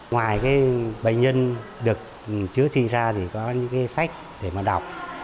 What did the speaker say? ngoài bệnh nhân được chứa trị ra thì có những sách để đọc